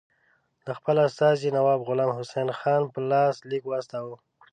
د خپل استازي نواب غلام حسین خان په لاس لیک واستاوه.